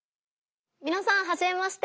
みなさんはじめまして。